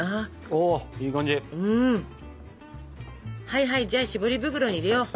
はいはいじゃあ絞り袋に入れよう。